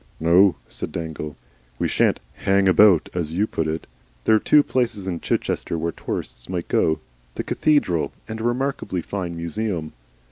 "No," said Dangle, "we shan't HANG ABOUT, as you put it. There are two places in Chichester where tourists might go the cathedral and a remarkably fine museum.